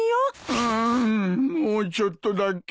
ううんもうちょっとだけ。